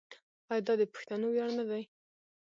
آیا دا د پښتنو ویاړ نه دی؟